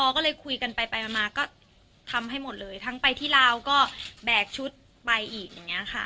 ก็เลยคุยกันไปไปมาก็ทำให้หมดเลยทั้งไปที่ลาวก็แบกชุดไปอีกอย่างนี้ค่ะ